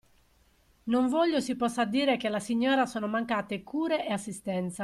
Non voglio si possa dire che alla signora sono mancate cure e assistenza.